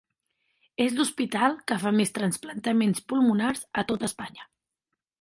És l’hospital que fa més trasplantaments pulmonars a tot Espanya.